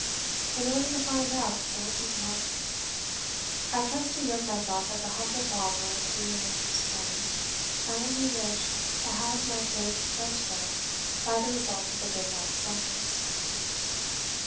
in order to find out the witch's mark? I trust to yoke myself as a humble follower to your worship's train, and I only wish to have my faith judged of by the result of the good knight's slumbers."